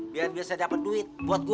biar bisa dapat duit buat gue